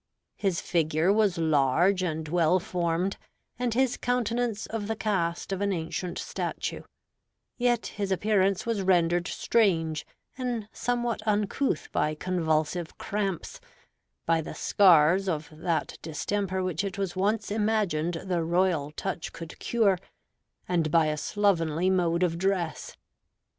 His figure was large and well formed, and his countenance of the cast of an ancient statue; yet his appearance was rendered strange and somewhat uncouth by convulsive cramps, by the scars of that distemper which it was once imagined the royal touch could cure, and by a slovenly mode of dress.